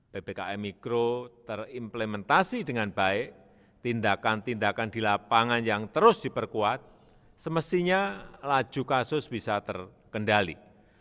ppkm mikro terimplementasi dengan baik tindakan tindakan di lapangan yang terus diperkuat semestinya laju kasus bisa terkendali